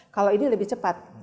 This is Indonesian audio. kalau ini lebih cepat